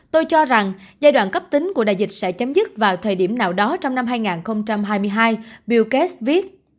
tôi cho rằng giai đoạn cấp tính của đại dịch sẽ chấm dứt vào thời điểm nào đó trong năm hai nghìn hai mươi hai bill cast viết